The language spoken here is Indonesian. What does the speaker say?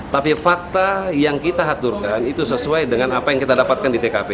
tapi fakta yang kita aturkan itu sesuai dengan apa yang kita dapatkan di tkp